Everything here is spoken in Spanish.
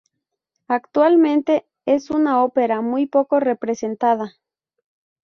Actualmente es una ópera muy poco representada.